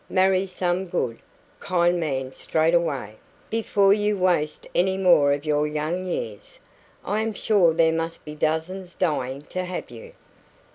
Marry some good, kind man straight away, before you waste any more of your young years. I am sure there must be dozens dying to have you."